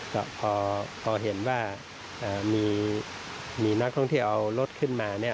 ก็พอเห็นว่ามีนักท่องเที่ยวเอารถขึ้นมาเนี่ย